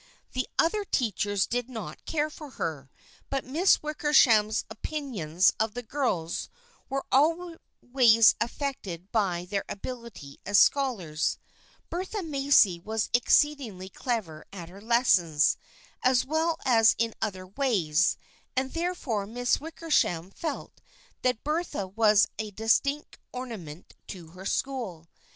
The other teachers THE FRIENDSHIP OF ANNE 155 did not care for her, but Miss Wickersham's opin ions of the girls were always affected by their ability as scholars. Bertha Macy was exceedingly clever at her lessons, as well as in other ways, and therefore Miss Wickersham felt that Bertha was a distinct ornament to her school.